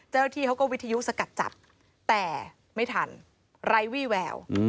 เจ้าหน้าที่เขาก็วิทยุสกัดจับแต่ไม่ทันไร้วี่แวว